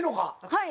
はい。